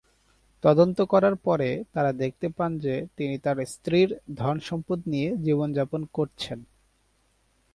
তদন্ত করার পরে, তারা দেখতে পান যে তিনি তার "স্ত্রীর" ধন-সম্পদ নিয়ে জীবনযাপন করছেন।